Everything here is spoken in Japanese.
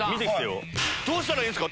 どうしたらいいんすか？